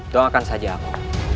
doakan saja aku